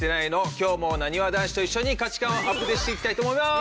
今日もなにわ男子と一緒に価値観をアプデしていきたいと思います。